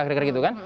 kira kira gitu kan